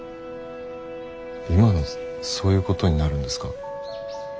今のそういうことになるんですか？